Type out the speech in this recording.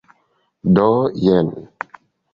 Do, jen.